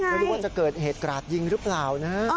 ไม่รู้ว่าจะเกิดเหตุกราดยิงหรือเปล่านะ